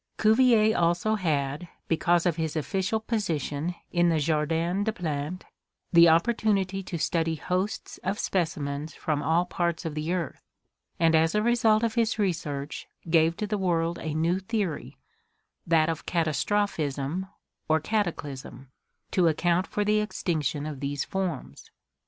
Cuvier also had, because of his official position in the Jardin des Plantes, the opportu nity to study hosts of specimens from all parts of the earth, and as a result of his research, gave to the world a new theory, that of Catastrophism or Cataclysm, to account for the extinction of these forms.